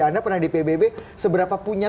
anda pernah di pbb seberapa punya